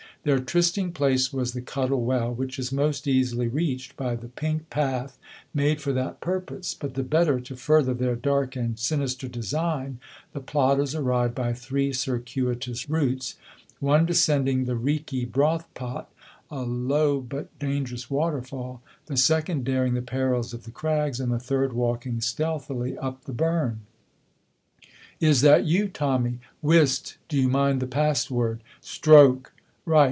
Their trysting place was the Cuttle Well, which is most easily reached by the pink path made for that purpose; but the better to further their dark and sinister design, the plotters arrived by three circuitous routes, one descending the Reekie Broth Pot, a low but dangerous waterfall, the second daring the perils of the crags, and the third walking stealthily up the burn. "Is that you, Tommy?" "Whist! Do you mind the password?" "Stroke!" "Right.